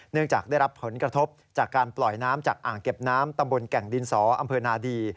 จากได้รับผลกระทบจากการปล่อยน้ำจากอ่างเก็บน้ำตำบลแก่งดินสออำเภอนาดี